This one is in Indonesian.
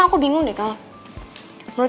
aku bingung deh kalau